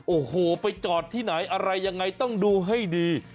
โอ้โหไปจอดที่ไหนอะไรยังไงต้องดูให้ดี